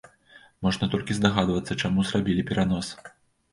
Можна толькі здагадвацца, чаму зрабілі перанос.